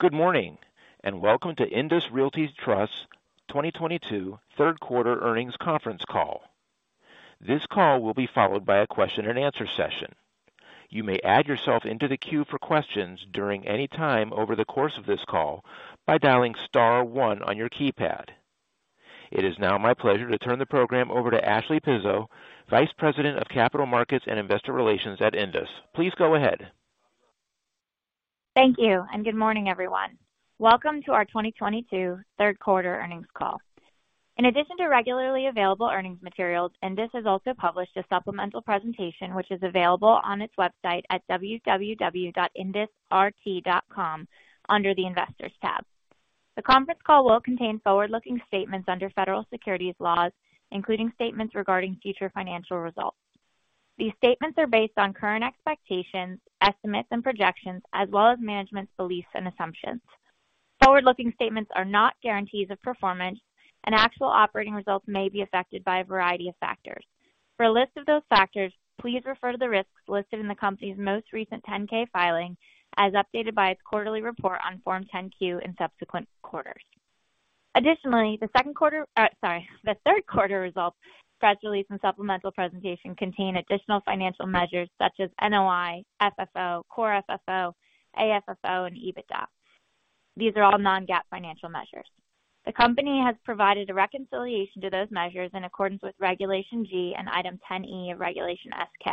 Good morning, welcome to INDUS Realty Trust 2022 third quarter earnings conference call. This call will be followed by a question and answer session. You may add yourself into the queue for questions during any time over the course of this call by dialing star one on your keypad. It is now my pleasure to turn the program over to Ashley Pizzo, Vice President of Capital Markets and Investor Relations at INDUS. Please go ahead. Thank you, good morning, everyone. Welcome to our 2022 third quarter earnings call. In addition to regularly available earnings materials, INDUS has also published a supplemental presentation which is available on its website at www.indusrt.com under the Investors tab. The conference call will contain forward-looking statements under federal securities laws, including statements regarding future financial results. These statements are based on current expectations, estimates, and projections as well as management's beliefs and assumptions. Forward-looking statements are not guarantees of performance, and actual operating results may be affected by a variety of factors. For a list of those factors, please refer to the risks listed in the company's most recent 10-K filing, as updated by its quarterly report on Form 10-Q in subsequent quarters. Additionally, the third quarter results, press release, and supplemental presentation contain additional financial measures such as NOI, FFO, Core FFO, AFFO, and EBITDA. These are all non-GAAP financial measures. The company has provided a reconciliation to those measures in accordance with Regulation G and Item 10-e of Regulation S-K.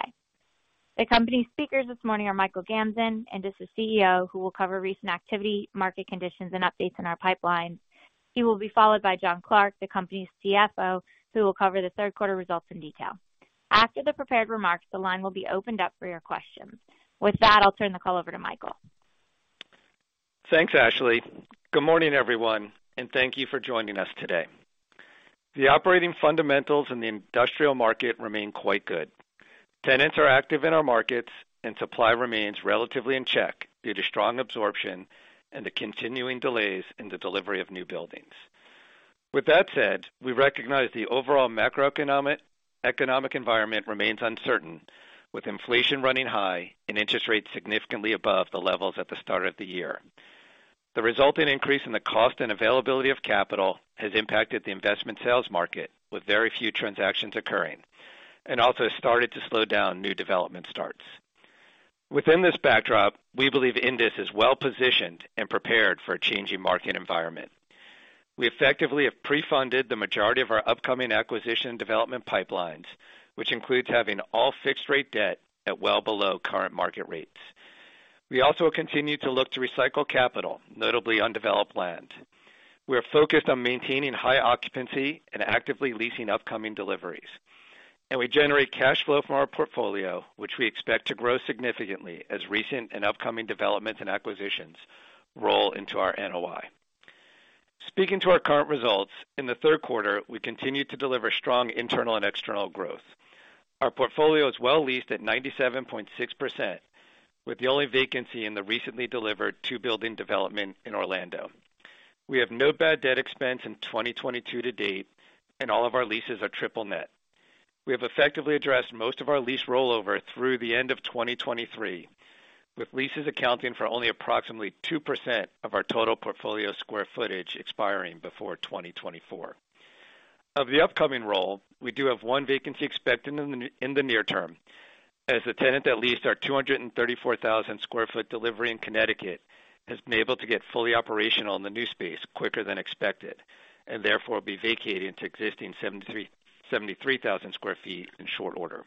The company's speakers this morning are Michael Gamzon, INDUS's CEO, who will cover recent activity, market conditions, and updates in our pipeline. He will be followed by Jon Clark, the company's CFO, who will cover the third quarter results in detail. After the prepared remarks, the line will be opened up for your questions. With that, I'll turn the call over to Michael. Thanks, Ashley. Good morning, everyone, and thank you for joining us today. The operating fundamentals in the industrial market remain quite good. Tenants are active in our markets, and supply remains relatively in check due to strong absorption and the continuing delays in the delivery of new buildings. With that said, we recognize the overall macroeconomic environment remains uncertain, with inflation running high and interest rates significantly above the levels at the start of the year. The resulting increase in the cost and availability of capital has impacted the investment sales market, with very few transactions occurring, and also started to slow down new development starts. Within this backdrop, we believe INDUS is well-positioned and prepared for a changing market environment. We effectively have pre-funded the majority of our upcoming acquisition and development pipelines, which includes having all fixed-rate debt at well below current market rates. We also continue to look to recycle capital, notably undeveloped land. We are focused on maintaining high occupancy and actively leasing upcoming deliveries. We generate cash flow from our portfolio, which we expect to grow significantly as recent and upcoming developments and acquisitions roll into our NOI. Speaking to our current results, in the third quarter, we continued to deliver strong internal and external growth. Our portfolio is well leased at 97.6%, with the only vacancy in the recently delivered two-building development in Orlando. We have no bad debt expense in 2022 to date, and all of our leases are triple-net. We have effectively addressed most of our lease rollover through the end of 2023, with leases accounting for only approximately 2% of our total portfolio square footage expiring before 2024. Of the upcoming roll, we do have one vacancy expected in the near term, as the tenant that leased our 234,000 sq ft delivery in Connecticut has been able to get fully operational in the new space quicker than expected, and therefore will be vacating its existing 73,000 sq ft in short order.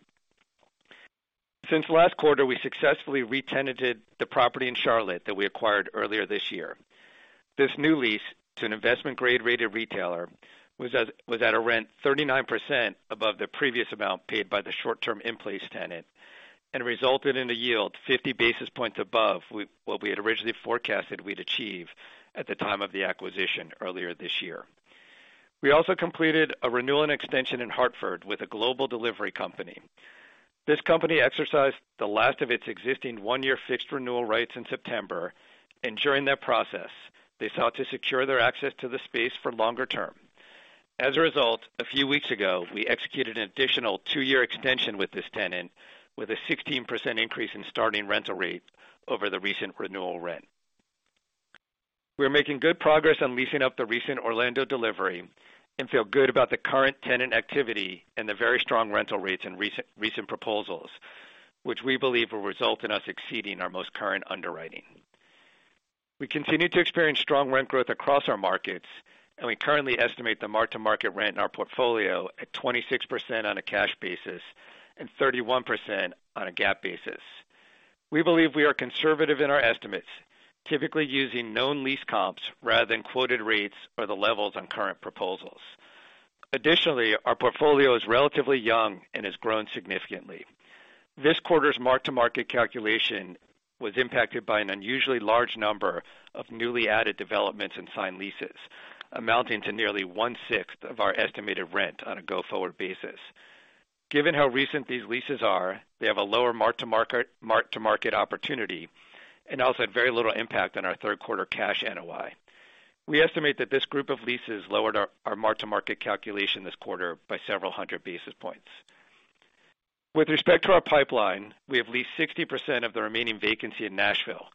Since last quarter, we successfully re-tenanted the property in Charlotte that we acquired earlier this year. This new lease to an investment-grade rated retailer was at a rent 39% above the previous amount paid by the short-term in-place tenant and resulted in a yield 50 basis points above what we had originally forecasted we'd achieve at the time of the acquisition earlier this year. We also completed a renewal and extension in Hartford with a global delivery company. This company exercised the last of its existing one-year fixed renewal rates in September. During that process, they sought to secure their access to the space for longer term. As a result, a few weeks ago, we executed an additional two-year extension with this tenant with a 16% increase in starting rental rate over the recent renewal rent. We are making good progress on leasing up the recent Orlando delivery and feel good about the current tenant activity and the very strong rental rates in recent proposals, which we believe will result in us exceeding our most current underwriting. We continue to experience strong rent growth across our markets. We currently estimate the mark-to-market rent in our portfolio at 26% on a cash basis and 31% on a GAAP basis. We believe we are conservative in our estimates, typically using known lease comps rather than quoted rates or the levels on current proposals. Additionally, our portfolio is relatively young and has grown significantly. This quarter's mark-to-market calculation was impacted by an unusually large number of newly added developments and signed leases, amounting to nearly one-sixth of our estimated rent on a go-forward basis. Given how recent these leases are, they have a lower mark-to-market opportunity and also had very little impact on our third quarter cash NOI. We estimate that this group of leases lowered our mark-to-market calculation this quarter by several hundred basis points. With respect to our pipeline, we have leased 60% of the remaining vacancy in Nashville,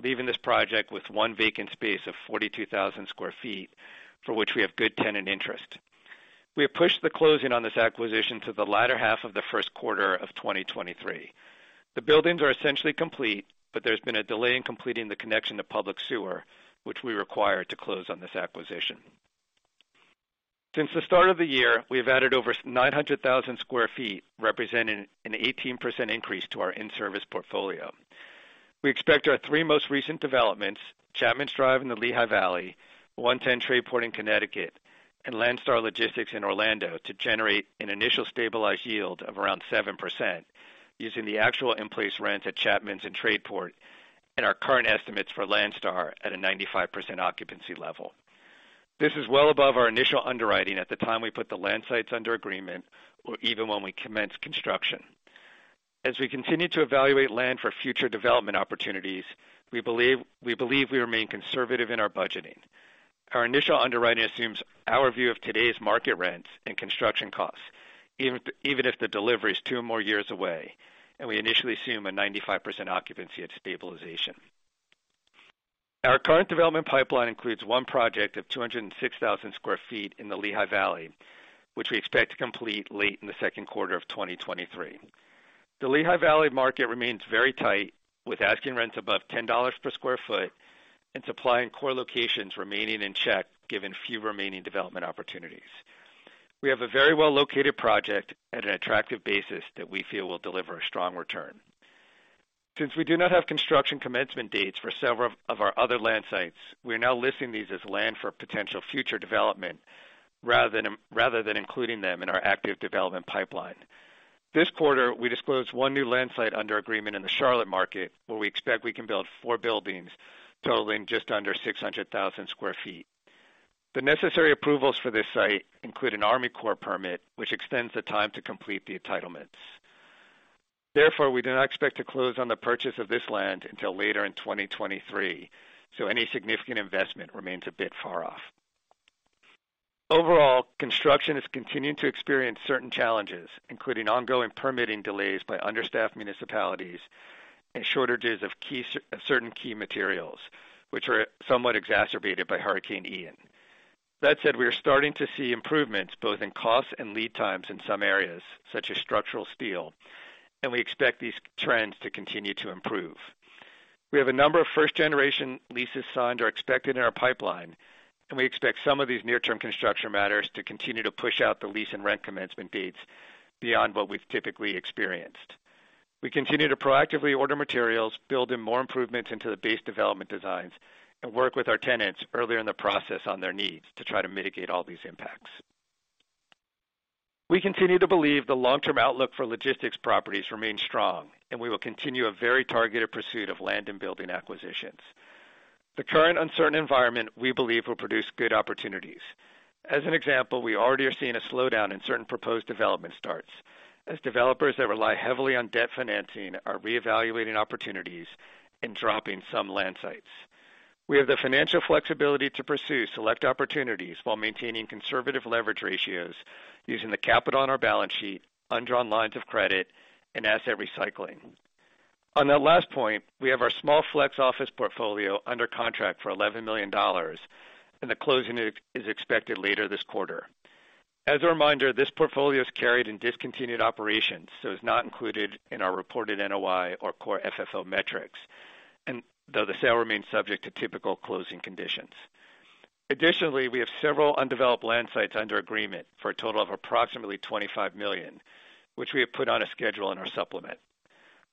leaving this project with one vacant space of 42,000 sq ft, for which we have good tenant interest. We have pushed the closing on this acquisition to the latter half of the first quarter of 2023. The buildings are essentially complete, but there's been a delay in completing the connection to public sewer, which we require to close on this acquisition. Since the start of the year, we have added over 900,000 sq ft, representing an 18% increase to our in-service portfolio. We expect our three most recent developments, Chapmans Drive in the Lehigh Valley, 110 Tradeport in Connecticut, and Landstar Logistics Center in Orlando, to generate an initial stabilized yield of around 7% using the actual in-place rents at Chapmans Drive and Tradeport and our current estimates for Landstar Logistics Center at a 95% occupancy level. This is well above our initial underwriting at the time we put the land sites under agreement or even when we commenced construction. As we continue to evaluate land for future development opportunities, we believe we remain conservative in our budgeting. Our initial underwriting assumes our view of today's market rents and construction costs, even if the delivery is two or more years away, and we initially assume a 95% occupancy at stabilization. Our current development pipeline includes one project of 206,000 sq ft in the Lehigh Valley, which we expect to complete late in the second quarter of 2023. The Lehigh Valley market remains very tight, with asking rents above $10 per sq ft and supply in core locations remaining in check, given few remaining development opportunities. We have a very well-located project at an attractive basis that we feel will deliver a strong return. We do not have construction commencement dates for several of our other land sites, we are now listing these as land for potential future development rather than including them in our active development pipeline. This quarter, we disclosed one new land site under agreement in the Charlotte market, where we expect we can build four buildings totaling just under 600,000 sq ft. The necessary approvals for this site include an Army Corps permit, which extends the time to complete the entitlements. We do not expect to close on the purchase of this land until later in 2023. Any significant investment remains a bit far off. Construction is continuing to experience certain challenges, including ongoing permitting delays by understaffed municipalities and shortages of certain key materials, which were somewhat exacerbated by Hurricane Ian. We are starting to see improvements both in costs and lead times in some areas, such as structural steel. We expect these trends to continue to improve. We have a number of first-generation leases signed or expected in our pipeline. We expect some of these near-term construction matters to continue to push out the lease and rent commencement dates beyond what we've typically experienced. We continue to proactively order materials, build in more improvements into the base development designs. We work with our tenants earlier in the process on their needs to try to mitigate all these impacts. We continue to believe the long-term outlook for logistics properties remains strong. We will continue a very targeted pursuit of land and building acquisitions. The current uncertain environment, we believe, will produce good opportunities. As an example, we already are seeing a slowdown in certain proposed development starts as developers that rely heavily on debt financing are reevaluating opportunities and dropping some land sites. We have the financial flexibility to pursue select opportunities while maintaining conservative leverage ratios using the capital on our balance sheet, undrawn lines of credit, and asset recycling. On that last point, we have our small flex office portfolio under contract for $11 million, and the closing is expected later this quarter. As a reminder, this portfolio is carried in discontinued operations, so is not included in our reported NOI or Core FFO metrics, and though the sale remains subject to typical closing conditions. Additionally, we have several undeveloped land sites under agreement for a total of approximately $25 million, which we have put on a schedule in our supplement.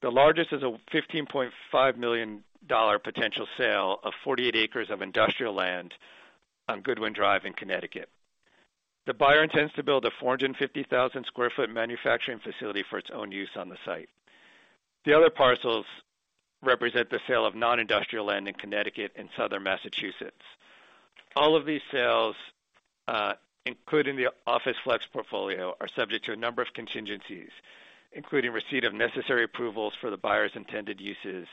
The largest is a $15.5 million potential sale of 48 acres of industrial land on Goodwin Road in Connecticut. The buyer intends to build a 450,000 sq ft manufacturing facility for its own use on the site. The other parcels represent the sale of non-industrial land in Connecticut and Southern Massachusetts. All of these sales, including the office flex portfolio, are subject to a number of contingencies, including receipt of necessary approvals for the buyer's intended uses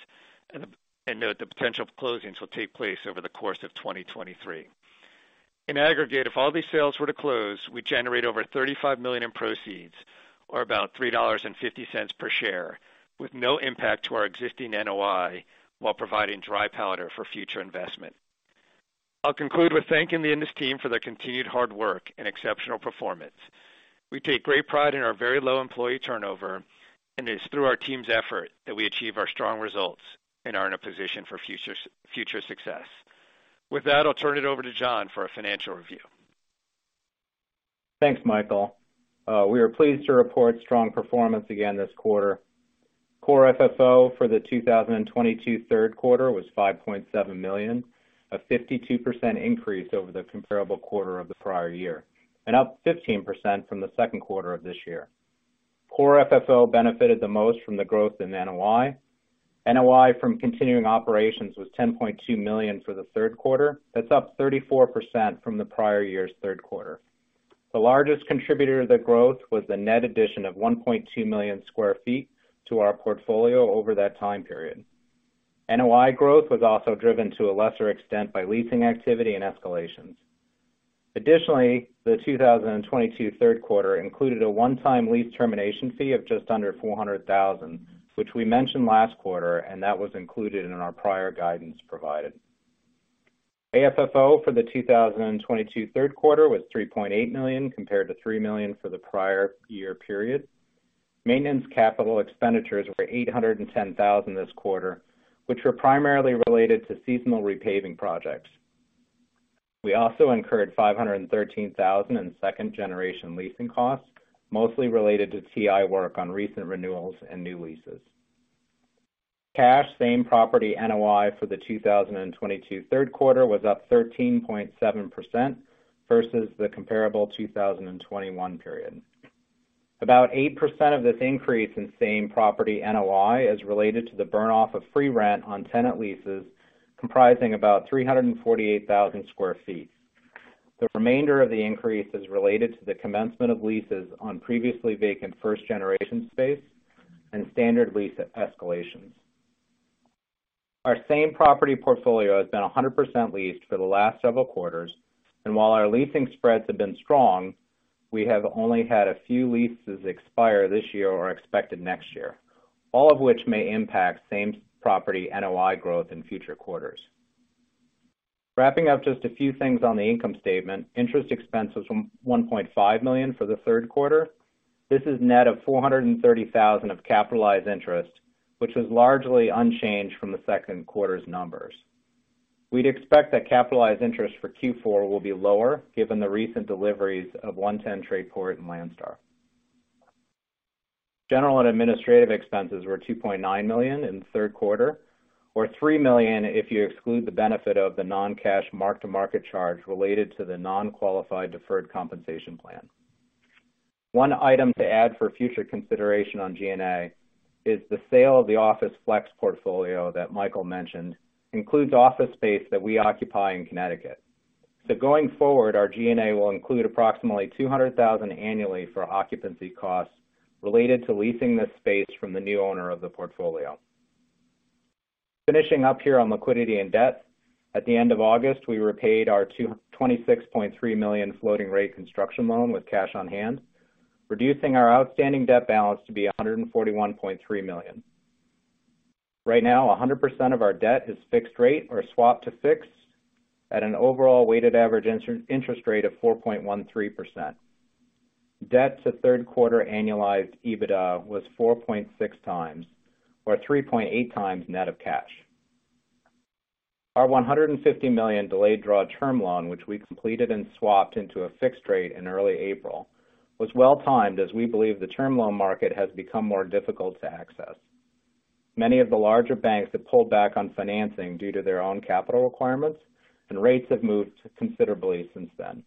and note that potential closings will take place over the course of 2023. In aggregate, if all these sales were to close, we'd generate over $35 million in proceeds or about $3.50 per share with no impact to our existing NOI while providing dry powder for future investment. I'll conclude with thanking the INDUS team for their continued hard work and exceptional performance. We take great pride in our very low employee turnover, and it is through our team's effort that we achieve our strong results and are in a position for future success. With that, I'll turn it over to Jon for a financial review. Thanks, Michael. We are pleased to report strong performance again this quarter. Core FFO for the 2022 third quarter was $5.7 million, a 52% increase over the comparable quarter of the prior year, and up 15% from the second quarter of this year. Core FFO benefited the most from the growth in NOI. NOI from continuing operations was $10.2 million for the third quarter. That's up 34% from the prior year's third quarter. The largest contributor to the growth was the net addition of 1.2 million sq ft to our portfolio over that time period. NOI growth was also driven to a lesser extent by leasing activity and escalations. Additionally, the 2022 third quarter included a one-time lease termination fee of just under $400,000, which we mentioned last quarter, and that was included in our prior guidance provided. AFFO for the 2022 third quarter was $3.8 million, compared to $3 million for the prior year period. Maintenance capital expenditures were $810,000 this quarter, which were primarily related to seasonal repaving projects. We also incurred $513,000 in second generation leasing costs, mostly related to TI work on recent renewals and new leases. Cash same-property NOI for the 2022 third quarter was up 13.7% versus the comparable 2021 period. About 8% of this increase in same-property NOI is related to the burn-off of free rent on tenant leases comprising about 348,000 square feet. The remainder of the increase is related to the commencement of leases on previously vacant first-generation space and standard lease escalations. Our same-property portfolio has been 100% leased for the last several quarters, and while our leasing spreads have been strong, we have only had a few leases expire this year or expected next year, all of which may impact same-property NOI growth in future quarters. Wrapping up just a few things on the income statement, interest expense was $1.5 million for the third quarter. This is net of $430,000 of capitalized interest, which was largely unchanged from the second quarter's numbers. We'd expect that capitalized interest for Q4 will be lower given the recent deliveries of 110 Tradeport and Landstar. General and administrative expenses were $2.9 million in the third quarter, or $3 million if you exclude the benefit of the non-cash mark-to-market charge related to the non-qualified deferred compensation plan. One item to add for future consideration on G&A is the sale of the office flex portfolio that Michael mentioned includes office space that we occupy in Connecticut. Going forward, our G&A will include approximately $200,000 annually for occupancy costs related to leasing this space from the new owner of the portfolio. Finishing up here on liquidity and debt. At the end of August, we repaid our $226.3 million floating rate construction loan with cash on hand, reducing our outstanding debt balance to be $141.3 million. Right now, 100% of our debt is fixed rate or swapped to fixed at an overall weighted average interest rate of 4.13%. Debt to third quarter annualized EBITDA was 4.6 times or 3.8 times net of cash. Our $150 million delayed draw term loan, which we completed and swapped into a fixed rate in early April, was well-timed as we believe the term loan market has become more difficult to access. Many of the larger banks have pulled back on financing due to their own capital requirements, and rates have moved considerably since then.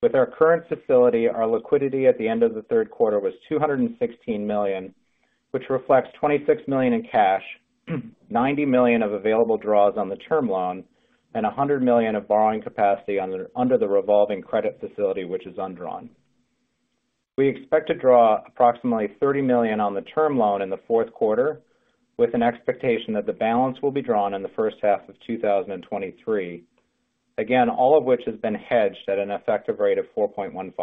With our current facility, our liquidity at the end of the third quarter was $216 million, which reflects $26 million in cash, $90 million of available draws on the term loan, and $100 million of borrowing capacity under the revolving credit facility, which is undrawn. We expect to draw approximately $30 million on the term loan in the fourth quarter, with an expectation that the balance will be drawn in the first half of 2023. Again, all of which has been hedged at an effective rate of 4.15%.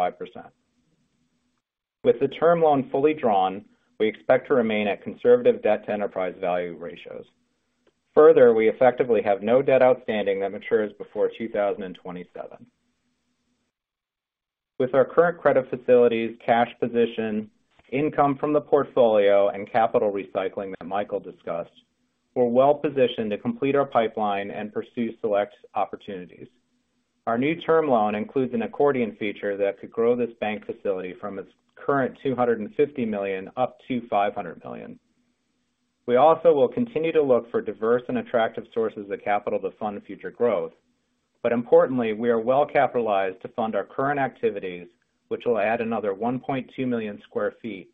With the term loan fully drawn, we expect to remain at conservative debt-to-enterprise value ratios. Further, we effectively have no debt outstanding that matures before 2027. With our current credit facilities, cash position, income from the portfolio, and capital recycling that Michael discussed, we are well-positioned to complete our pipeline and pursue select opportunities. Our new term loan includes an accordion feature that could grow this bank facility from its current $250 million up to $500 million. We also will continue to look for diverse and attractive sources of capital to fund future growth. Importantly, we are well capitalized to fund our current activities, which will add another 1.2 million sq ft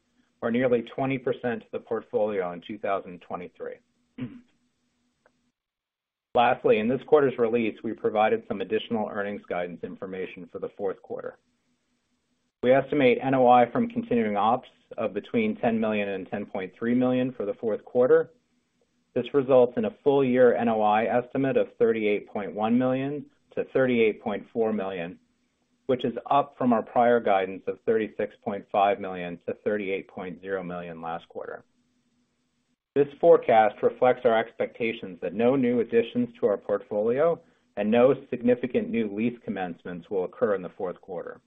or nearly 20% to the portfolio in 2023. Lastly, in this quarter's release, we provided some additional earnings guidance information for the fourth quarter. We estimate NOI from continuing ops of between $10 million and $10.3 million for the fourth quarter. This results in a full-year NOI estimate of $38.1 million to $38.4 million, which is up from our prior guidance of $36.5 million to $38.0 million last quarter. This forecast reflects our expectations that no new additions to our portfolio and no significant new lease commencements will occur in the fourth quarter.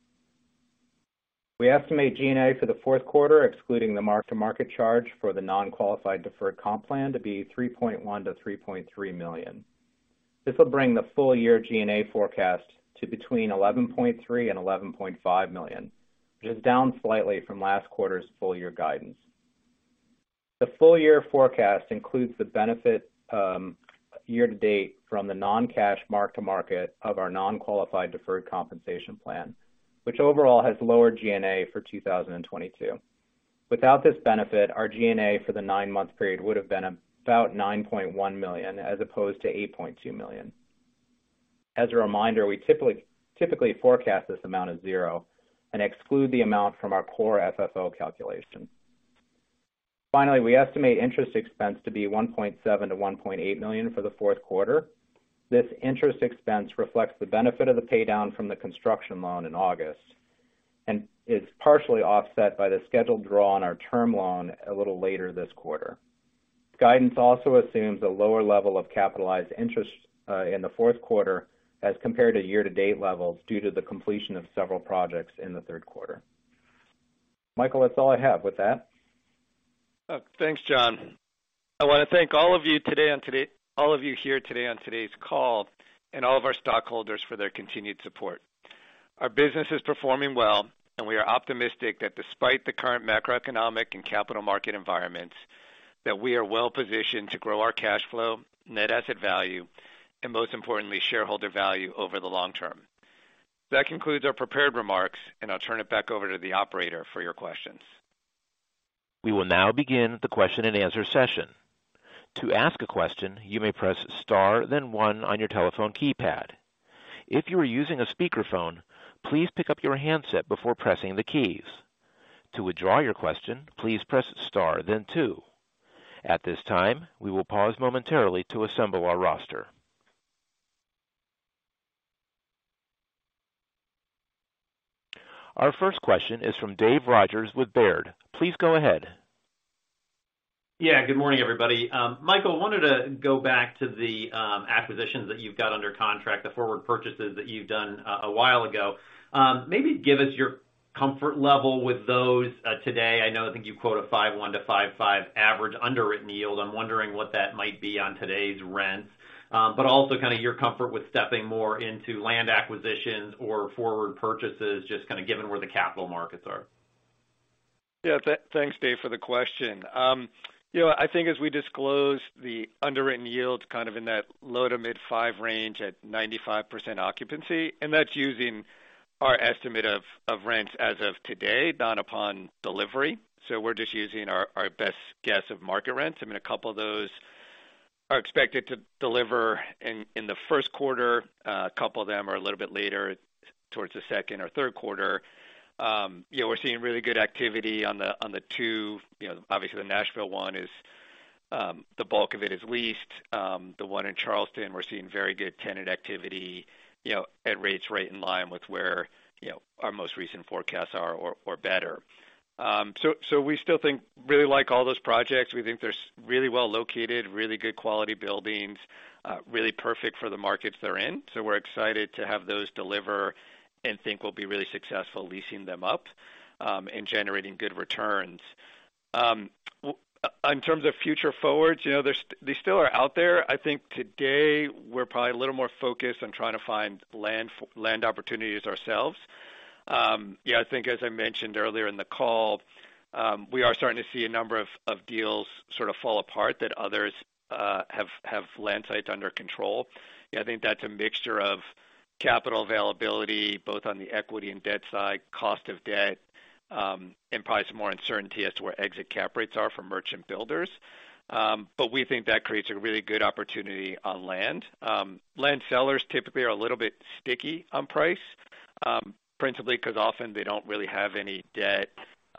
We estimate G&A for the fourth quarter, excluding the mark-to-market charge for the non-qualified deferred comp plan, to be $3.1 million to $3.3 million. This will bring the full-year G&A forecast to between $11.3 million and $11.5 million, which is down slightly from last quarter's full-year guidance. The full-year forecast includes the benefit year-to-date from the non-cash mark-to-market of our non-qualified deferred compensation plan, which overall has lowered G&A for 2022. Without this benefit, our G&A for the nine-month period would have been about $9.1 million as opposed to $8.2 million. As a reminder, we typically forecast this amount as zero and exclude the amount from our Core FFO calculation. Finally, we estimate interest expense to be $1.7 million to $1.8 million for the fourth quarter. This interest expense reflects the benefit of the paydown from the construction loan in August, and is partially offset by the scheduled draw on our term loan a little later this quarter. Guidance also assumes a lower level of capitalized interest in the fourth quarter as compared to year-to-date levels due to the completion of several projects in the third quarter. Michael, that's all I have. With that Thanks, Jon. I want to thank all of you here today on today's call, and all of our stockholders for their continued support. Our business is performing well, and we are optimistic that despite the current macroeconomic and capital market environments, that we are well-positioned to grow our cash flow, net asset value, and most importantly, shareholder value over the long term. That concludes our prepared remarks, and I will turn it back over to the operator for your questions. We will now begin the question and answer session. To ask a question, you may press star then one on your telephone keypad. If you are using a speakerphone, please pick up your handset before pressing the keys. To withdraw your question, please press star then two. At this time, we will pause momentarily to assemble our roster. Our first question is from David Rodgers with Baird. Please go ahead. Yeah. Good morning, everybody. Michael, I wanted to go back to the acquisitions that you've got under contract, the forward purchases that you've done a while ago. Maybe give us your comfort level with those today. I know, I think you quote a 5.1%-5.5% average underwritten yield. I'm wondering what that might be on today's rents. Also kind of your comfort with stepping more into land acquisitions or forward purchases, just kind of given where the capital markets are. Yeah. Thanks, Dave, for the question. I think as we disclose the underwritten yields kind of in that low to mid five range at 95% occupancy, that's using our estimate of rents as of today, not upon delivery. We're just using our best guess of market rents. I mean, a couple of those are expected to deliver in the first quarter. A couple of them are a little bit later towards the second or third quarter. We're seeing really good activity on the two Obviously, the Nashville one, the bulk of it is leased. The one in Charleston, we're seeing very good tenant activity at rates right in line with where our most recent forecasts are or better. We still think really like all those projects. We think they're really well located, really good quality buildings, really perfect for the markets they're in. We're excited to have those deliver and think we'll be really successful leasing them up, and generating good returns. In terms of future forwards, they still are out there. I think today we're probably a little more focused on trying to find land opportunities ourselves. I think as I mentioned earlier in the call, we are starting to see a number of deals sort of fall apart that others have land sites under control. I think that's a mixture of capital availability, both on the equity and debt side, cost of debt, and probably some more uncertainty as to where exit cap rates are for merchant builders. We think that creates a really good opportunity on land. Land sellers typically are a little bit sticky on price, principally because often they don't really have any debt.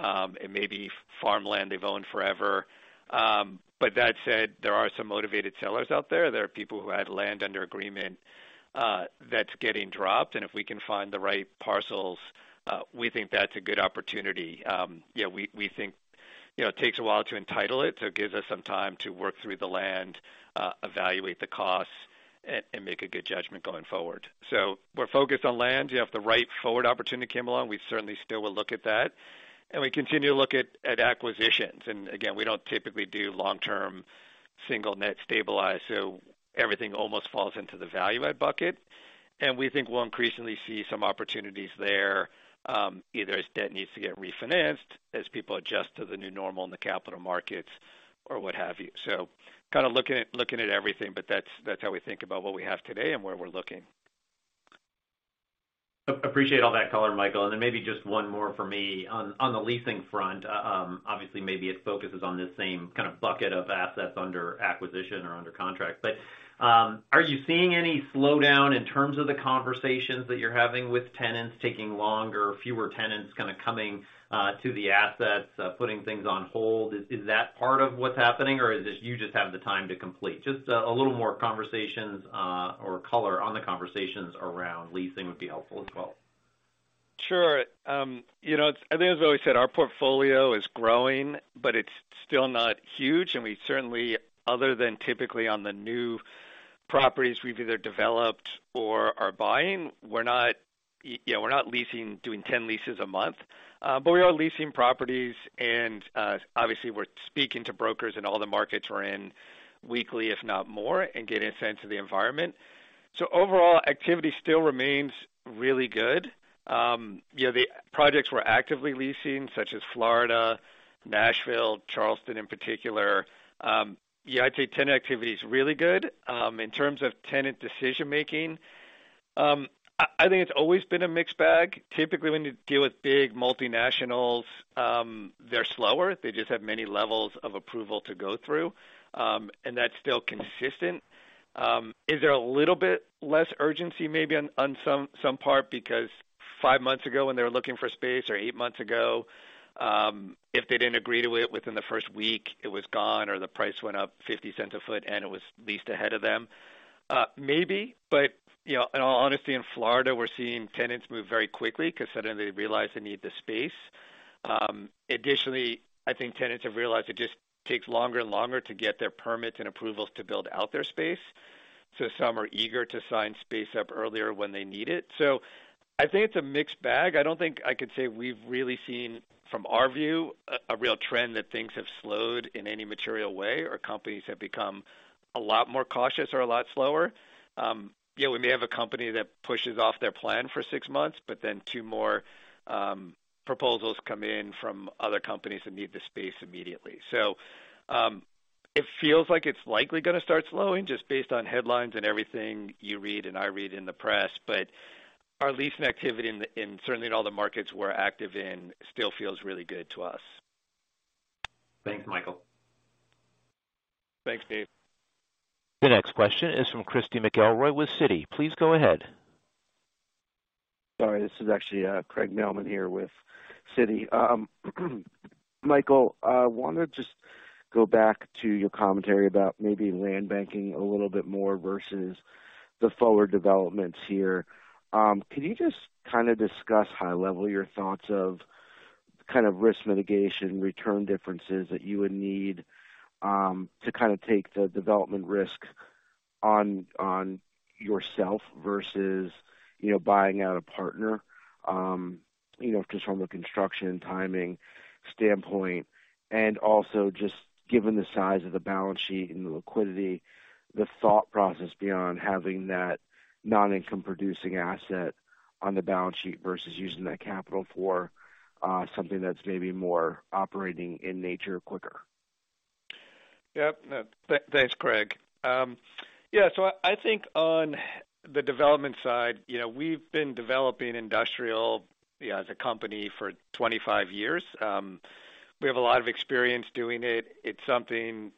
It may be farmland they've owned forever. That said, there are some motivated sellers out there. There are people who had land under agreement that's getting dropped, and if we can find the right parcels, we think that's a good opportunity. We think it takes a while to entitle it, so it gives us some time to work through the land, evaluate the costs, and make a good judgment going forward. We're focused on land. If the right forward opportunity came along, we certainly still will look at that. We continue to look at acquisitions. Again, we don't typically do long-term single net stabilized, so everything almost falls into the value-add bucket. We think we'll increasingly see some opportunities there, either as debt needs to get refinanced, as people adjust to the new normal in the capital markets or what have you. Kind of looking at everything, but that's how we think about what we have today and where we're looking. Appreciate all that color, Michael, maybe just one more for me. On the leasing front, obviously maybe it focuses on the same kind of bucket of assets under acquisition or under contract. Are you seeing any slowdown in terms of the conversations that you're having with tenants taking longer, fewer tenants kind of coming to the assets, putting things on hold? Is that part of what's happening, or is it you just have the time to complete? Just a little more conversations or color on the conversations around leasing would be helpful as well. Sure. I think as we always said, our portfolio is growing, but it's still not huge, and we certainly, other than typically on the new properties we've either developed or are buying, we're not leasing, doing 10 leases a month. We are leasing properties and, obviously we're speaking to brokers in all the markets we're in weekly, if not more, and getting a sense of the environment. Overall, activity still remains really good. The projects we're actively leasing, such as Florida, Nashville, Charleston in particular, I'd say tenant activity is really good. In terms of tenant decision-making, I think it's always been a mixed bag. Typically, when you deal with big multinationals, they're slower. They just have many levels of approval to go through. That's still consistent. Is there a little bit less urgency maybe on some part because five months ago when they were looking for space, or eight months ago, if they didn't agree to it within the first week, it was gone, or the price went up $0.50 a foot and it was leased ahead of them. Maybe, but in all honesty, in Florida, we're seeing tenants move very quickly because suddenly they realize they need the space. Additionally, I think tenants have realized it just takes longer and longer to get their permits and approvals to build out their space. Some are eager to sign space up earlier when they need it. I think it's a mixed bag. I don't think I could say we've really seen, from our view, a real trend that things have slowed in any material way or companies have become a lot more cautious or a lot slower. We may have a company that pushes off their plan for six months, then two more proposals come in from other companies that need the space immediately. It feels like it's likely going to start slowing, just based on headlines and everything you read and I read in the press. Our leasing activity, certainly in all the markets we're active in, still feels really good to us. Thanks, Michael. Thanks, Dave. The next question is from Christy McElroy with Citi. Please go ahead. Sorry, this is actually Craig Mailman here with Citi. Michael, I want to just go back to your commentary about maybe land banking a little bit more versus the forward developments here. Can you just discuss, high level, your thoughts of risk mitigation, return differences that you would need to take the development risk on yourself versus buying out a partner from a construction timing standpoint? Also just given the size of the balance sheet and the liquidity, the thought process beyond having that non-income producing asset on the balance sheet versus using that capital for something that's maybe more operating in nature quicker. Yep, thanks, Craig. Yeah, I think on the development side, we've been developing industrial as a company for 25 years. We have a lot of experience doing it. It's something,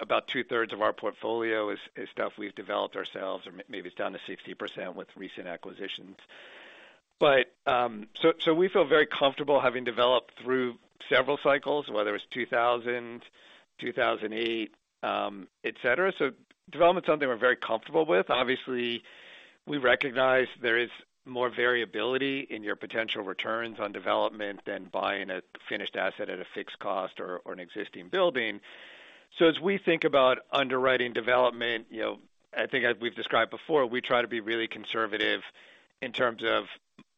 about two-thirds of our portfolio is stuff we've developed ourselves, or maybe it's down to 60% with recent acquisitions. We feel very comfortable having developed through several cycles, whether it's 2000, 2008, et cetera. Development's something we're very comfortable with. Obviously, we recognize there is more variability in your potential returns on development than buying a finished asset at a fixed cost or an existing building. As we think about underwriting development, I think as we've described before, we try to be really conservative in terms of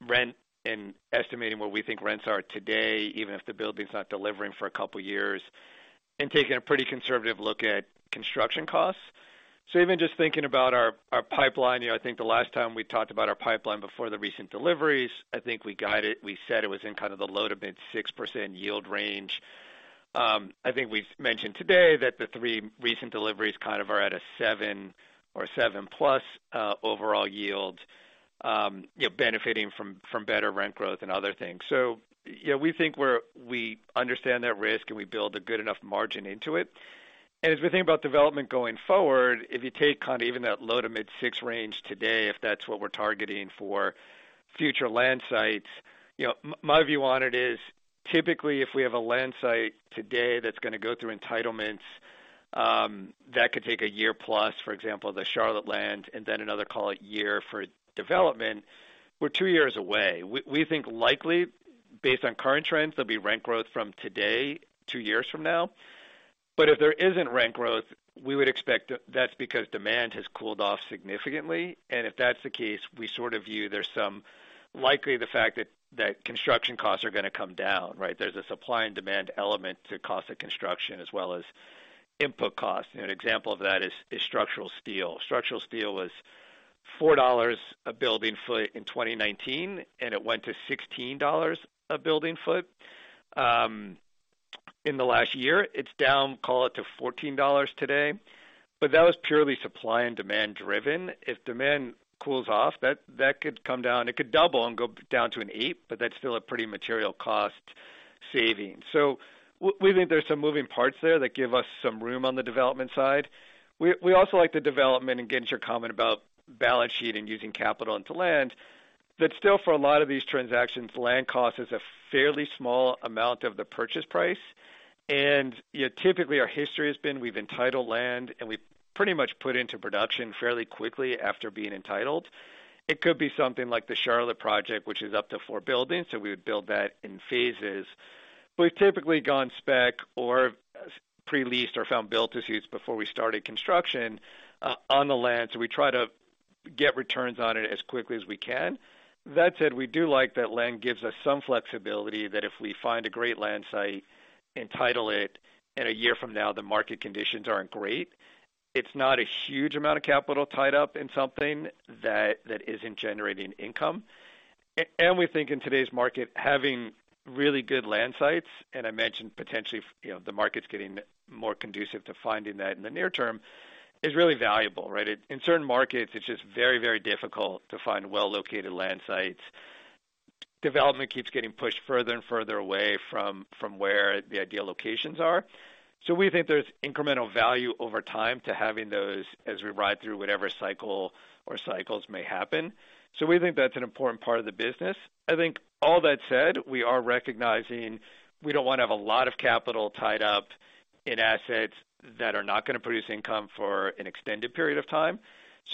rent and estimating what we think rents are today, even if the building's not delivering for a couple of years, and taking a pretty conservative look at construction costs. Even just thinking about our pipeline, I think the last time we talked about our pipeline before the recent deliveries, I think we said it was in kind of the low to mid 6% yield range. I think we've mentioned today that the three recent deliveries kind of are at a 7% or 7+ overall yield, benefiting from better rent growth and other things. We think we understand that risk, and we build a good enough margin into it. As we think about development going forward, if you take even that low to mid 6% range today, if that's what we're targeting for future land sites, my view on it is, typically, if we have a land site today that's going to go through entitlements, that could take 1 year+, for example, the Charlotte land, and then another, call it, one year for development. We're two years away. We think likely, based on current trends, there'll be rent growth from today, two years from now. If there isn't rent growth, we would expect that's because demand has cooled off significantly. If that's the case, we sort of view there's some likely the fact that construction costs are going to come down, right? There's a supply and demand element to cost of construction as well as input costs. An example of that is structural steel. Structural steel was $4 a building foot in 2019, and it went to $16 a building foot in the last year. It's down, call it, to $14 today. That was purely supply and demand driven. If demand cools off, that could come down. It could double and go down to an eight, but that's still a pretty material cost saving. We think there's some moving parts there that give us some room on the development side. We also like the development and get into your comment about balance sheet and using capital into land. Still, for a lot of these transactions, land cost is a fairly small amount of the purchase price. Typically, our history has been we've entitled land, and we pretty much put into production fairly quickly after being entitled. It could be something like the Charlotte project, which is up to four buildings, so we would build that in phases. We've typically gone spec or pre-leased or found built-to-suits before we started construction on the land. We try to get returns on it as quickly as we can. That said, we do like that land gives us some flexibility that if we find a great land site, entitle it, and a year from now, the market conditions aren't great, it's not a huge amount of capital tied up in something that isn't generating income. We think in today's market, having really good land sites, and I mentioned potentially the market's getting more conducive to finding that in the near term, is really valuable, right? In certain markets, it's just very, very difficult to find well-located land sites Development keeps getting pushed further and further away from where the ideal locations are. We think there's incremental value over time to having those as we ride through whatever cycle or cycles may happen. We think that's an important part of the business. I think all that said, we are recognizing we don't want to have a lot of capital tied up in assets that are not going to produce income for an extended period of time.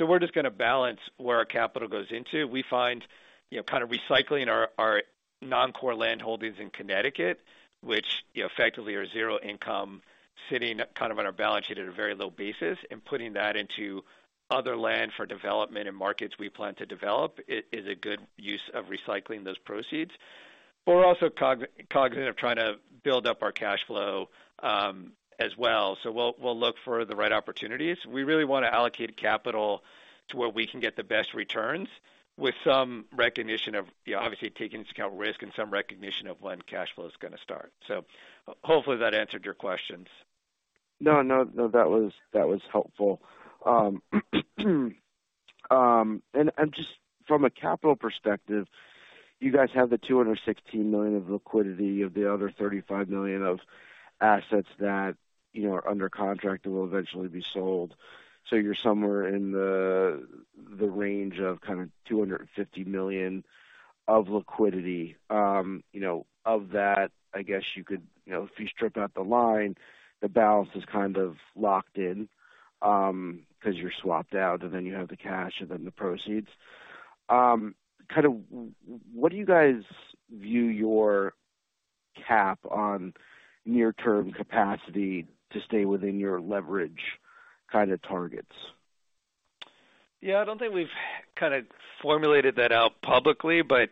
We're just going to balance where our capital goes into. We find recycling our non-core land holdings in Connecticut, which effectively are zero income, sitting on our balance sheet at a very low basis and putting that into other land for development and markets we plan to develop is a good use of recycling those proceeds. We're also cognizant of trying to build up our cash flow as well. We'll look for the right opportunities. We really want to allocate capital to where we can get the best returns with some recognition of obviously taking into account risk and some recognition of when cash flow is going to start. Hopefully that answered your questions. No, that was helpful. Just from a capital perspective, you guys have the $216 million of liquidity of the other $35 million of assets that are under contract and will eventually be sold. You're somewhere in the range of $250 million of liquidity. Of that, I guess you could, if you strip out the line, the balance is kind of locked in, because you're swapped out, and then you have the cash and then the proceeds. What do you guys view your cap on near term capacity to stay within your leverage kind of targets? I don't think we've formulated that out publicly, but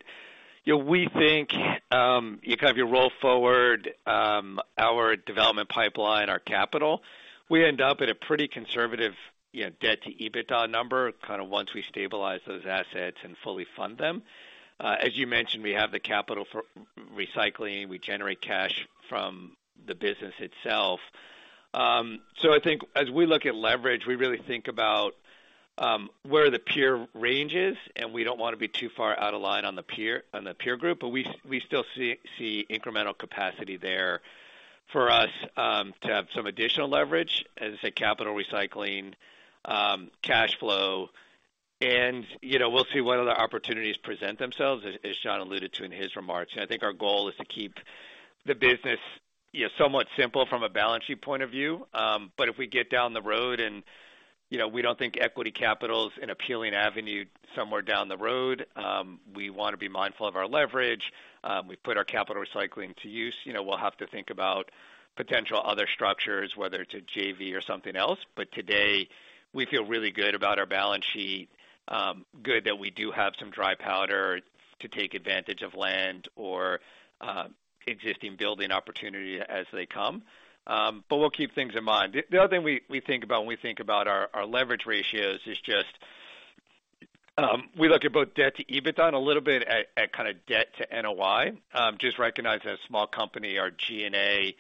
we think, roll forward our development pipeline, our capital. We end up at a pretty conservative debt to EBITDA number, kind of once we stabilize those assets and fully fund them. As you mentioned, we have the capital for recycling. We generate cash from the business itself. I think as we look at leverage, we really think about where the peer range is, and we don't want to be too far out of line on the peer group, but we still see incremental capacity there for us to have some additional leverage, as I say, capital recycling, cash flow, and we'll see what other opportunities present themselves, as Jon alluded to in his remarks. I think our goal is to keep the business somewhat simple from a balance sheet point of view. If we get down the road and we don't think equity capital is an appealing avenue somewhere down the road, we want to be mindful of our leverage. We've put our capital recycling to use. We'll have to think about potential other structures, whether it's a JV or something else. Today, we feel really good about our balance sheet, good that we do have some dry powder to take advantage of land or existing building opportunity as they come. We'll keep things in mind. The other thing we think about when we think about our leverage ratios is just, we look at both debt to EBITDA and a little bit at debt to NOI. Just recognize as a small company, our G&A,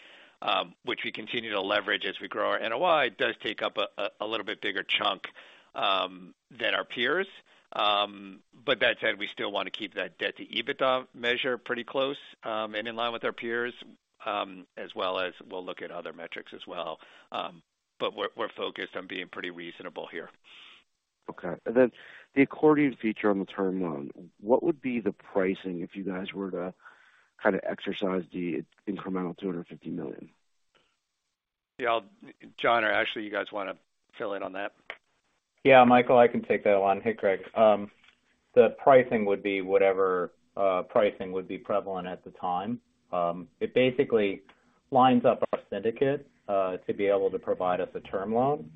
which we continue to leverage as we grow our NOI, does take up a little bit bigger chunk than our peers. That said, we still want to keep that debt to EBITDA measure pretty close and in line with our peers, as well as we'll look at other metrics as well. We're focused on being pretty reasonable here. Okay. Then the accordion feature on the term loan, what would be the pricing if you guys were to exercise the incremental $250 million? Yeah. Jon or Ashley, you guys want to fill in on that? Yeah, Michael, I can take that one. Hey, Craig. The pricing would be whatever pricing would be prevalent at the time. It basically lines up our syndicate to be able to provide us a term loan.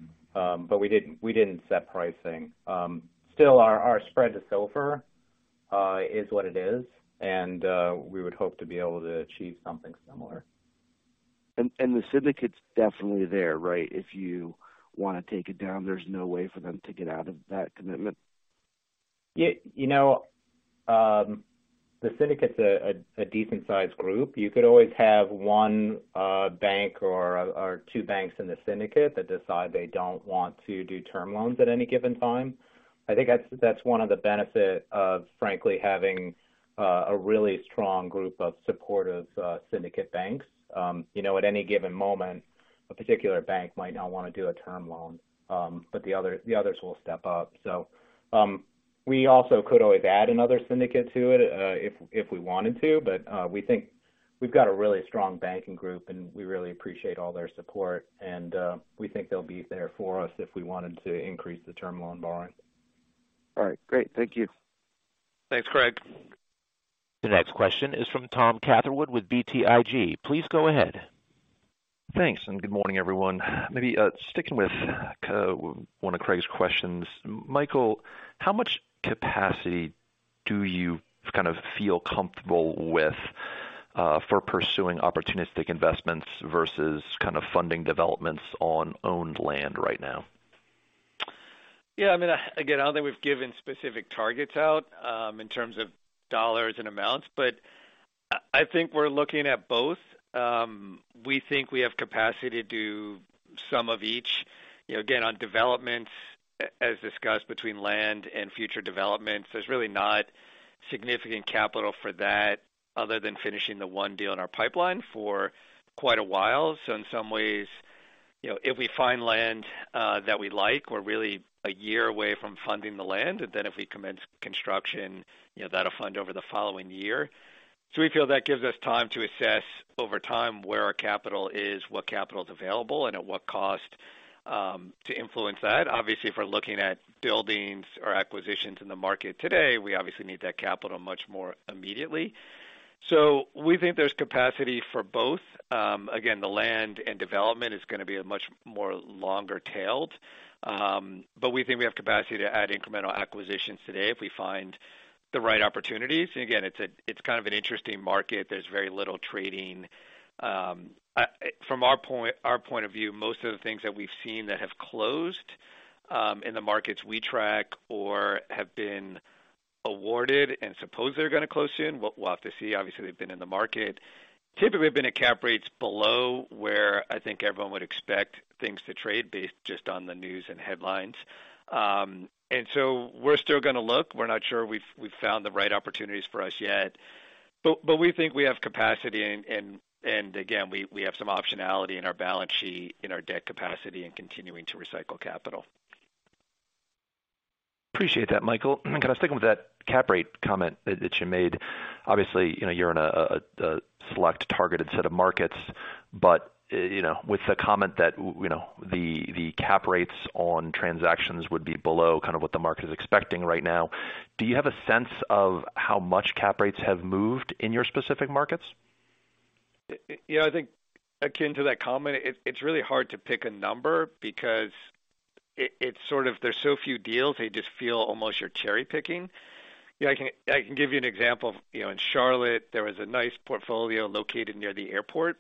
We didn't set pricing. Still, our spread to SOFR is what it is, and we would hope to be able to achieve something similar. The syndicate's definitely there, right? If you want to take it down, there's no way for them to get out of that commitment. The syndicate's a decent-sized group. You could always have one bank or two banks in the syndicate that decide they don't want to do term loans at any given time. I think that's one of the benefit of frankly having a really strong group of supportive syndicate banks. At any given moment, a particular bank might not want to do a term loan, but the others will step up. We also could always add another syndicate to it if we wanted to. We think we've got a really strong banking group, and we really appreciate all their support, and we think they'll be there for us if we wanted to increase the term loan borrowing. All right. Great. Thank you. Thanks, Craig. The next question is from Thomas Catherwood with BTIG. Please go ahead. Thanks, good morning, everyone. Maybe sticking with one of Craig's questions. Michael, how much capacity do you feel comfortable with for pursuing opportunistic investments versus funding developments on owned land right now? Yeah. I don't think we've given specific targets out in terms of dollars and amounts. I think we're looking at both. We think we have capacity to do some of each. Again, on developments, as discussed between land and future developments, there's really not significant capital for that other than finishing the one deal in our pipeline for quite a while. In some ways, if we find land that we like, we're really a year away from funding the land. Then if we commence construction, that'll fund over the following year. We feel that gives us time to assess over time where our capital is, what capital is available, and at what cost to influence that. Obviously, if we're looking at buildings or acquisitions in the market today, we obviously need that capital much more immediately. We think there's capacity for both. Again, the land and development is going to be a much more longer tailed. We think we have capacity to add incremental acquisitions today if we find the right opportunities. Again, it's kind of an interesting market. There's very little trading. From our point of view, most of the things that we've seen that have closed in the markets we track or have been awarded and suppose they're going to close soon, we'll have to see. Obviously, they've been in the market. Typically have been at cap rates below where I think everyone would expect things to trade based just on the news and headlines. We're still going to look. We're not sure we've found the right opportunities for us yet. We think we have capacity, and again, we have some optionality in our balance sheet, in our debt capacity, and continuing to recycle capital. Appreciate that, Michael. Kind of sticking with that cap rate comment that you made. Obviously, you are in a select targeted set of markets, but with the comment that the cap rates on transactions would be below what the market is expecting right now, do you have a sense of how much cap rates have moved in your specific markets? I think akin to that comment, it's really hard to pick a number because it's sort of there's so few deals you just feel almost you're cherry-picking. I can give you an example. In Charlotte, there was a nice portfolio located near the airport.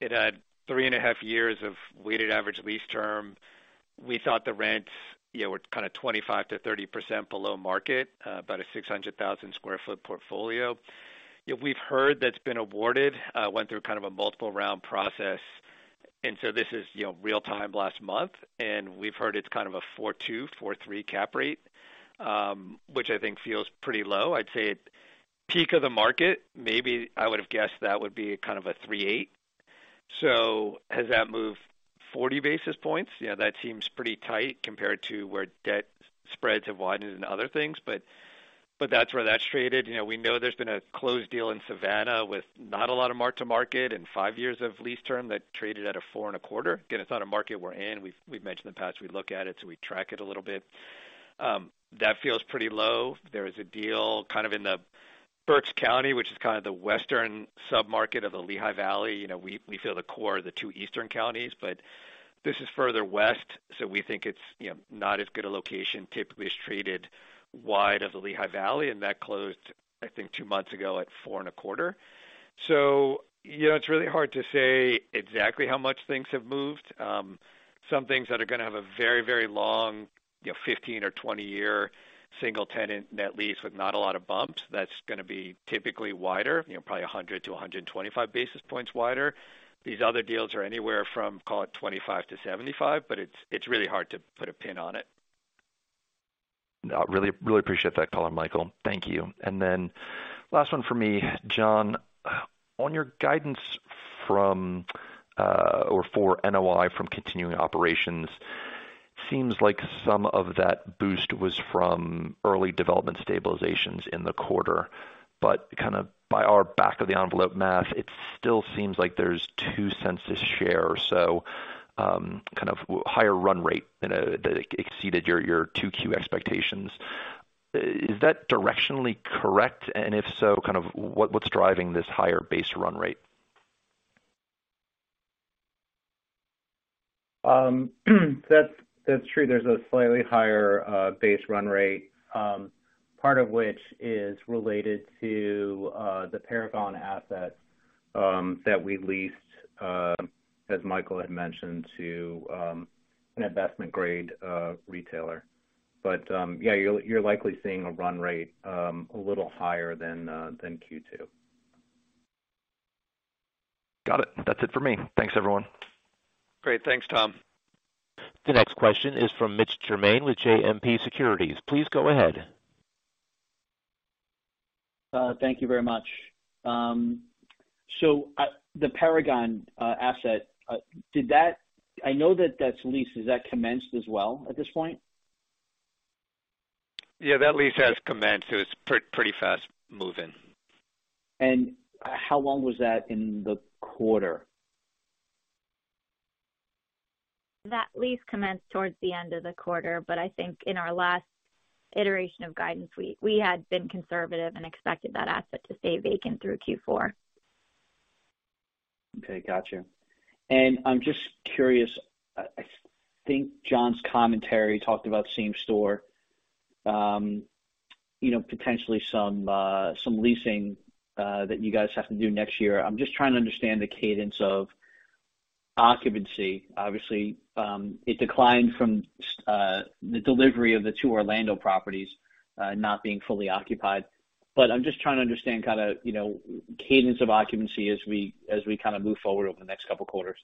It had three and a half years of weighted average lease term. We thought the rents were 25%-30% below market, about a 600,000 sq ft portfolio. We've heard that's been awarded, went through a multiple round process. This is real time last month, we've heard it's a 4.2-4.3 cap rate, which I think feels pretty low. I'd say at peak of the market, maybe I would have guessed that would be a 3.8. Has that moved 40 basis points? That seems pretty tight compared to where debt spreads have widened and other things, that's where that's traded. We know there's been a closed deal in Savannah with not a lot of mark-to-market and five years of lease term that traded at a 4.25. Again, it's not a market we're in. We've mentioned in the past we look at it, we track it a little bit. That feels pretty low. There is a deal in the Berks County, which is the western sub-market of the Lehigh Valley. We feel the core are the two eastern counties, but this is further west, we think it's not as good a location. Typically, it's traded wide of the Lehigh Valley, that closed, I think, two months ago at 4.25. It's really hard to say exactly how much things have moved. Some things that are going to have a very long 15 or 20-year single-tenant net lease with not a lot of bumps, that's going to be typically wider, probably 100-125 basis points wider. These other deals are anywhere from, call it 25-75, it's really hard to put a pin on it. No, really appreciate that color, Michael. Thank you. Last one for me. Jon, on your guidance for NOI from continuing operations, seems like some of that boost was from early development stabilizations in the quarter. Kind of by our back of the envelope math, it still seems like there's $0.02 a share or so, kind of higher run rate that exceeded your 2Q expectations. Is that directionally correct? If so, kind of what's driving this higher base run rate? That's true. There's a slightly higher base run rate, part of which is related to the Paragon asset that we leased, as Michael had mentioned, to an investment-grade retailer. Yeah, you're likely seeing a run rate a little higher than Q2. Got it. That's it for me. Thanks, everyone. Great. Thanks, Tom. The next question is from Mitch Germain with JMP Securities. Please go ahead. Thank you very much. The Paragon asset, I know that's leased. Has that commenced as well at this point? Yeah, that lease has commenced. It was pretty fast moving. How long was that in the quarter? That lease commenced towards the end of the quarter, I think in our last iteration of guidance, we had been conservative and expected that asset to stay vacant through Q4. Okay, got you. I'm just curious, I think Jon's commentary talked about same-store. Potentially some leasing that you guys have to do next year. I'm just trying to understand the cadence of occupancy. Obviously, it declined from the delivery of the 2 Orlando properties not being fully occupied. I'm just trying to understand cadence of occupancy as we move forward over the next couple quarters.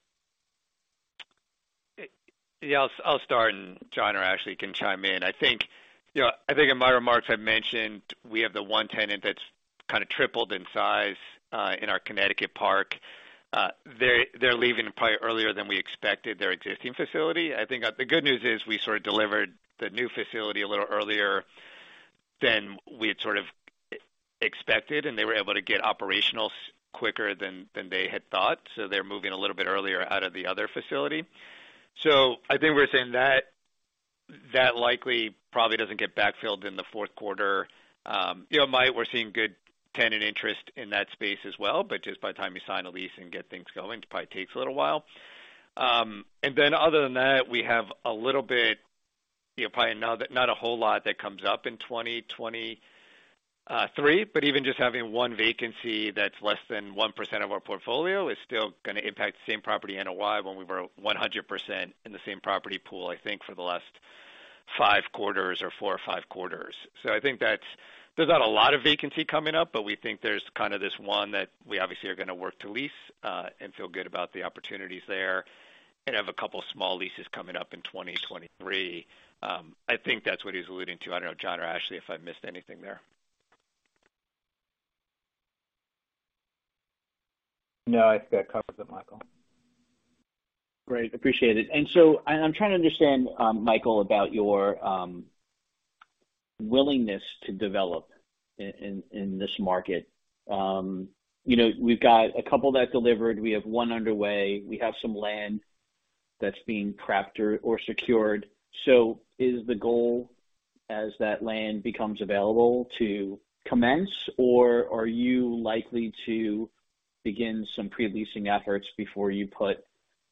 Yeah. I'll start, Jon or Ashley can chime in. I think in my remarks, I mentioned we have the one tenant that's tripled in size in our Connecticut park. They're leaving probably earlier than we expected their existing facility. I think the good news is we delivered the new facility a little earlier than we had expected, and they were able to get operational quicker than they had thought. They're moving a little bit earlier out of the other facility. I think we're saying that likely probably doesn't get backfilled in the fourth quarter. We're seeing good tenant interest in that space as well, just by the time you sign a lease and get things going, it probably takes a little while. Other than that, we have a little bit, probably not a whole lot that comes up in 2023. Even just having one vacancy that's less than 1% of our portfolio is still going to impact the same-property NOI when we were 100% in the same-property pool, I think, for the last five quarters or four or five quarters. I think there's not a lot of vacancy coming up, we think there's this one that we obviously are going to work to lease, and feel good about the opportunities there, and have a couple small leases coming up in 2023. I think that's what he was alluding to. I don't know, Jon or Ashley, if I missed anything there. No, I think that covers it, Michael. Great. Appreciate it. I'm trying to understand, Michael, about your willingness to develop in this market. We've got a couple that delivered. We have one underway. We have some land that's being crafted or secured. Is the goal, as that land becomes available, to commence, or are you likely to begin some pre-leasing efforts before you put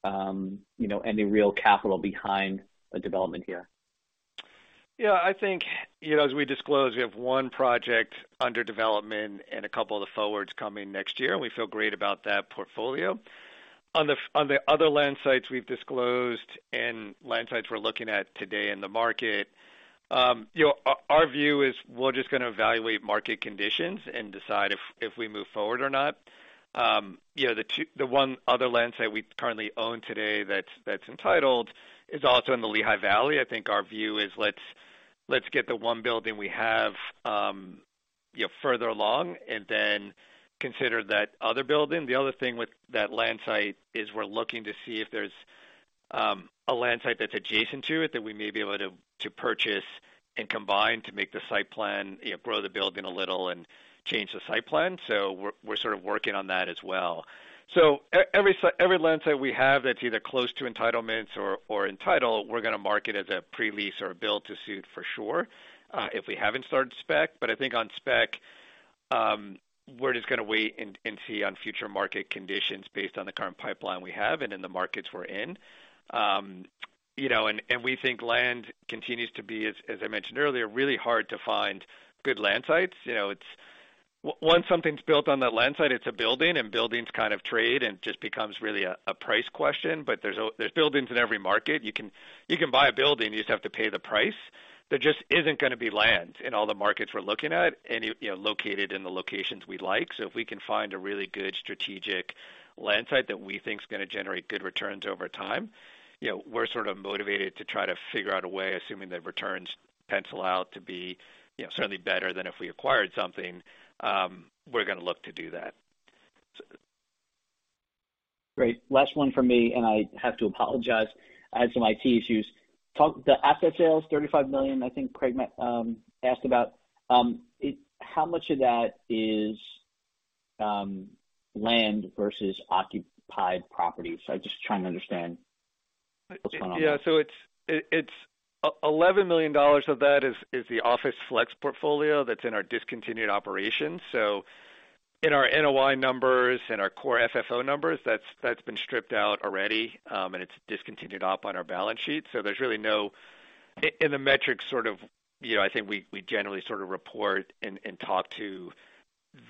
any real capital behind a development here? Yeah. I think, as we disclosed, we have one project under development and a couple of the forwards coming next year, and we feel great about that portfolio. On the other land sites we've disclosed and land sites we're looking at today in the market, our view is we're just going to evaluate market conditions and decide if we move forward or not. The one other land site we currently own today that's entitled is also in the Lehigh Valley. I think our view is let's get the one building we have further along and then consider that other building. The other thing with that land site is we're looking to see if there's a land site that's adjacent to it that we may be able to purchase and combine to make the site plan, grow the building a little, and change the site plan. We're sort of working on that as well. Every land site we have that's either close to entitlements or entitled, we're going to market as a pre-lease or a build to suit for sure, if we haven't started spec. I think on spec, we're just going to wait and see on future market conditions based on the current pipeline we have and in the markets we're in. We think land continues to be, as I mentioned earlier, really hard to find good land sites. Once something's built on that land site, it's a building, and buildings kind of trade and it just becomes really a price question. There's buildings in every market. You can buy a building, you just have to pay the price. There just isn't going to be land in all the markets we're looking at and located in the locations we'd like. If we can find a really good strategic land site that we think is going to generate good returns over time, we're sort of motivated to try to figure out a way, assuming the returns pencil out to be certainly better than if we acquired something, we're going to look to do that. Great. Last one from me. I have to apologize. I had some IT issues. The asset sales, $35 million, I think Craig asked about. How much of that is land versus occupied properties? I'm just trying to understand what's going on there. It's $11 million of that is the office flex portfolio that's in our discontinued operations. In our NOI numbers and our Core FFO numbers, that's been stripped out already, and it's discontinued op on our balance sheet. In the metrics sort of, I think we generally sort of report and talk to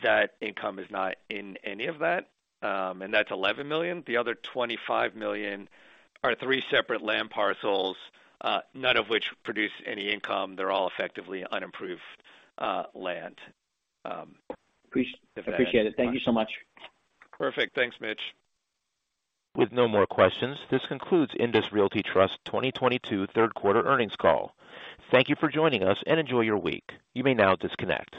that income is not in any of that, and that's $11 million. The other $25 million are three separate land parcels, none of which produce any income. They're all effectively unimproved land. Appreciate it. Thank you so much. Perfect. Thanks, Mitch. With no more questions, this concludes INDUS Realty Trust 2022 third quarter earnings call. Thank you for joining us, and enjoy your week. You may now disconnect.